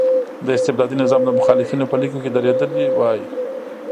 د استبدادي نظام د مخالفینو په لیکو کې درېدلی وای.